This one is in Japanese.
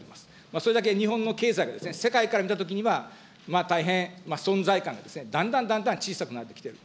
それだけ日本の経済が世界から見たときには、大変存在感がですね、だんだんだんだん小さくなってきている。